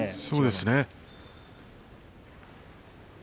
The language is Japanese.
そうですね。